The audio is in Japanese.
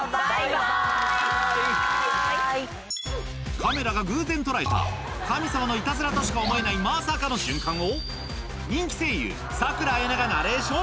カメラが偶然捉えた神様のイタズラとしか思えないまさかの瞬間を人気声優佐倉綾音がナレーション